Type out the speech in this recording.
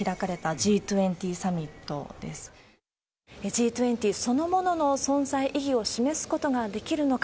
Ｇ２０そのものの存在意義を示すことができるのか。